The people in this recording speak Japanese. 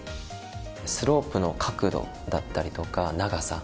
スロープの角度だったりとか長さ